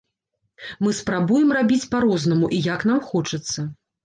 Мы спрабуем рабіць па-рознаму і як нам хочацца.